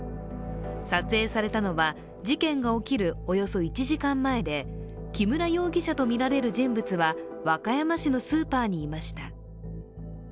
撮影されたのは事件が起きるおよそ１時間前で木村容疑者とみられる人物は和歌山市のスーパーにいました。